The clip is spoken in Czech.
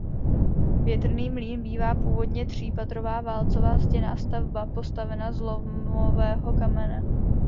Větrný mlýn byla původně třípatrová válcová zděná stavba postavena z lomového kamene.